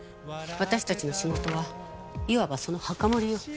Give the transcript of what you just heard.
私たちの仕事はいわばその墓守よ。